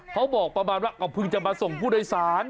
เขาบอกประมาณว่าก็เพิ่งจะมาส่งผู้โดยสาร